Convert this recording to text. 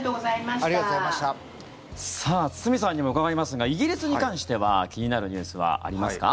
堤さんにも伺いますがイギリスに関しては気になるニュースはありますか？